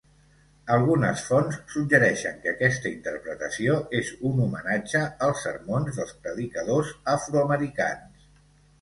Algunes fonts suggereixen que aquesta interpretació és un homenatge als sermons dels predicadors afroamericans.